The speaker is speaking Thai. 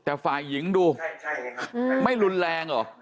แต่ฝ่ายหญิงดูไม่รุนแรงเหรอ